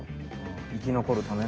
生き残るための。